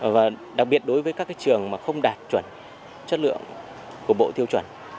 và đặc biệt đối với các trường mà không đạt chuẩn chất lượng của bộ tiêu chuẩn